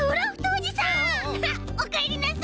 おかえりなさい！